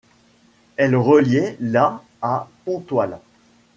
Elle reliait la à Ponthoile.